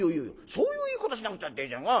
そういう言い方しなくたっていいじゃんか。